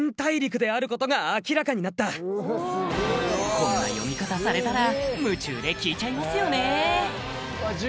こんな読み方されたら夢中で聞いちゃいますよねええ